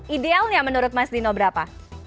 idealnya menurut mas dino berapa